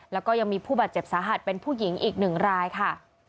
แล้วก็ยังมีผู้บาดเจ็บสาหัสเป็นผู้หญิงอีกหนึ่งรายค่ะ